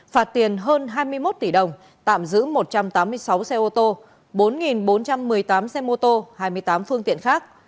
phạt tiền hơn hai mươi một tỷ đồng tạm giữ một trăm tám mươi sáu xe ô tô bốn bốn trăm một mươi tám xe mô tô hai mươi tám phương tiện khác